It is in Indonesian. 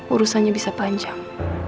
urusannya bisa panjang